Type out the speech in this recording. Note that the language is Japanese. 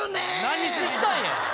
何しに来たんや？